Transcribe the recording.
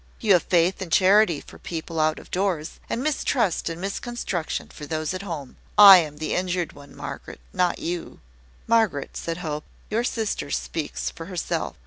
You have faith and charity for people out of doors, and mistrust and misconstruction for those at home. I am the injured one, Margaret, not you." "Margaret," said Hope, "your sister speaks for herself.